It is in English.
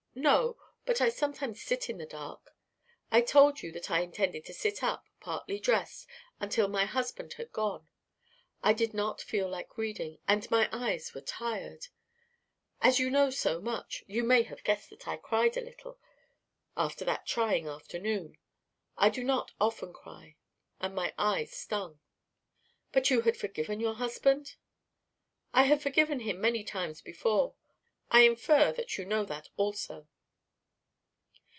"No. But I sometimes sit in the dark. I told you that I intended to sit up partly dressed until my husband had gone. I did not feel like reading, and my eyes were tired. As you know so much, you may have guessed that I cried a little after that trying afternoon. I do not often cry, and my eyes stung." "But you had forgiven your husband?" "I had forgiven him many times before. I infer that you know that also."